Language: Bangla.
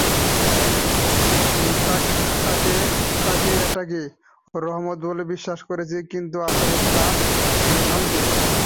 তারা এটাকে রহমত বলে বিশ্বাস করেছিল, কিন্তু আসলে তা ছিল শাস্তি।